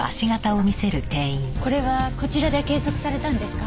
これはこちらで計測されたんですか？